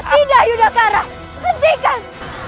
tidak yudhakara hentikan